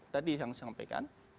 tadi yang saya sampaikan